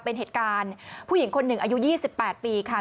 เป็นเหตุการณ์ผู้หญิงคนหนึ่งอายุ๒๘ปีค่ะ